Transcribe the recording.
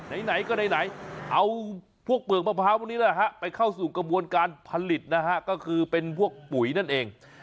ไม่ใช่ทิ้งนะเอาพวกเปลือกมะพร้าวพรุนี้เองนะครับก็คือเป็นพวกปุ๋ยนั่นเอง